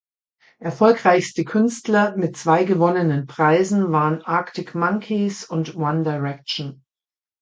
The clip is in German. Erfolgreichste Künstler mit zwei gewonnenen Preisen waren Arctic Monkeys und One Direction.